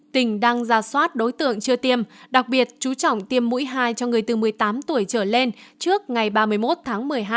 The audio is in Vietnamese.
tỉnh đang ra soát đối tượng chưa tiêm đặc biệt chú trọng tiêm mũi hai cho người từ một mươi tám tuổi trở lên trước ngày ba mươi một tháng một mươi hai